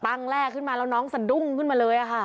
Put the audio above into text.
แรกขึ้นมาแล้วน้องสะดุ้งขึ้นมาเลยค่ะ